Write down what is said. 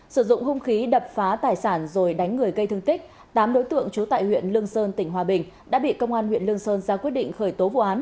sử dụng hung khí đập phá tài sản rồi đánh người gây thương tích tám đối tượng trú tại huyện lương sơn tỉnh hòa bình đã bị công an huyện lương sơn ra quyết định khởi tố vụ án